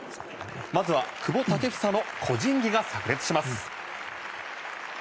まずは久保建英の個人技がさく裂します。